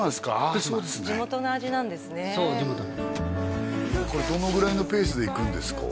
そう地元のこれどのぐらいのペースで行くんですか？